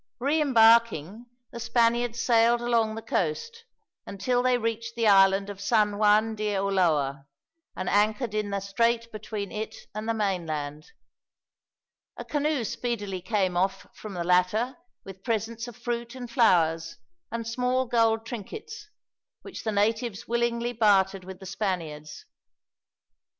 Re embarking, the Spaniards sailed along the coast, until they reached the island of San Juan de Uloa, and anchored in the strait between it and the mainland. A canoe speedily came off from the latter, with presents of fruit and flowers, and small gold trinkets, which the natives willingly bartered with the Spaniards.